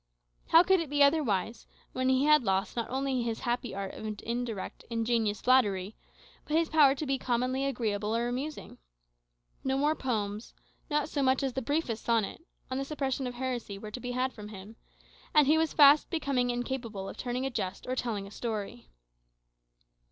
How could it be otherwise, when he had lost not only his happy art of indirect ingenious flattery, but his power to be commonly agreeable or amusing? No more poems not so much as the briefest sonnet on the suppression of heresy were to be had from him; and he was fast becoming incapable of turning a jest or telling a story.